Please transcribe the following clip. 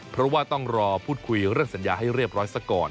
เพราะว่าต้องรอพูดคุยเรื่องสัญญาให้เรียบร้อยซะก่อน